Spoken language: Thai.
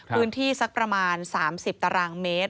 พื้นที่สักประมาณ๓๐ตารางเมตร